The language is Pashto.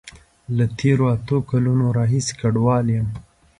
له تیرو اته کالونو راهیسی کډوال یم